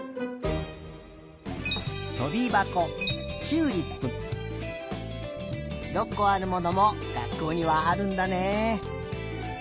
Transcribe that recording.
とびばこチューリップ６こあるものもがっこうにはあるんだね。